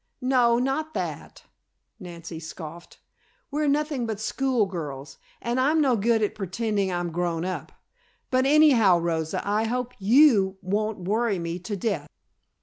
"No, not that," Nancy scoffed. "We're nothing but school girls, and I'm no good at pretending I'm grown up. But anyhow, Rosa, I hope you won't worry me to death!"